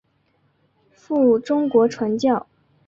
赴中国传教。